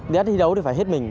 đi đất thi đấu thì phải hết mình